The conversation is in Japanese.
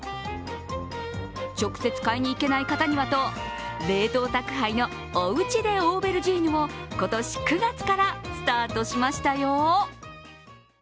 直接買いに行けない方にはと、冷凍宅配のおうちでオーベルジーヌを今年９月からスタートしましたよ。